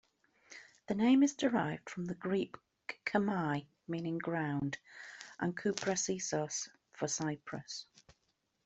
The name is derived from the Greek "khamai", meaning ground, and "kuparissos" for cypress.